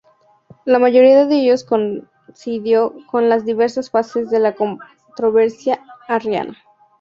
La mayoría de ellos coincidió con las diversas fases de la controversia arriana.